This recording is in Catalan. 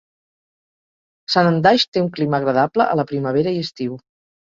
Sanandaj té un clima agradable a la primavera i estiu.